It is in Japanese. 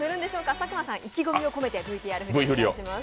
佐久間さん、意気込みを込めてＶＴＲ振りをお願いします。